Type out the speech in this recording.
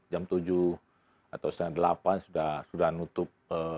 jam tujuh atau jam delapan sudah menutup